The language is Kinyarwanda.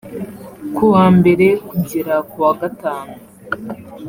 ku wa mbere kugera ku wa gatanu